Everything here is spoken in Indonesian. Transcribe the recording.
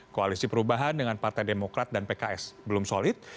koalisi perubahan dengan partai demokrat dan pks belum solid